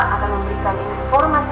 akan memberikan informasi